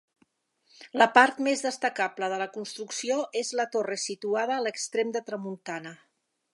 La part més destacable de la construcció és la torre situada a l'extrem de tramuntana.